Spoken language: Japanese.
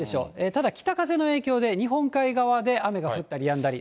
ただ北風の影響で、日本海側で雨が降ったりやんだり。